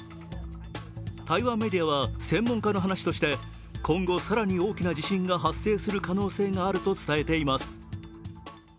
台湾メディアは、専門家の話として今後、更に大きな地震が発生する可能性があると伝えています。